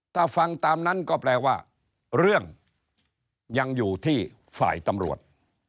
ถ้าฟังตามนั้นก็แปลว่าเรื่องยังอยู่ที่ฝ่ายตำรวจ